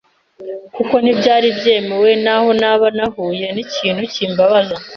kuko ntibyari byemewe naho naba nahuye n’ikintu kimbabaza